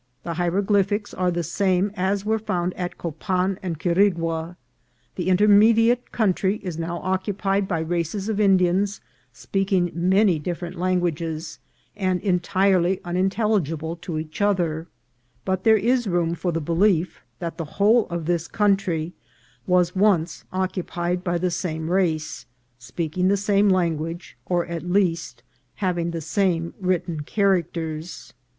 The hie roglyphics are the same as were found at Copan and Qui rigua. The intermediate country is now occupied by races of Indians speaking many different languages, and entirely unintelligible to each other ; but there is room for the belief that the whole of this country was once occupied by the same race, speaking the same lan guage, or, at least, having the same written characters.